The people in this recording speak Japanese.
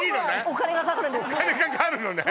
お金かかるのね